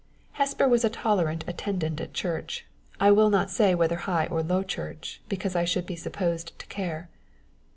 Hesper was a tolerable attendant at church I will not say whether high or low church, because I should be supposed to care.